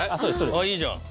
あっいいじゃん